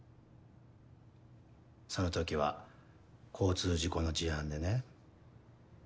その時は交通事故の事案でね